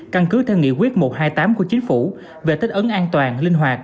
căn cứ theo nghị quyết một trăm hai mươi tám của chính phủ về thích ứng an toàn linh hoạt